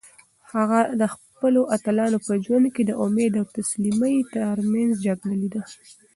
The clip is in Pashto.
هغه د خپلو اتلانو په ژوند کې د امید او تسلیمۍ ترمنځ جګړه لیده.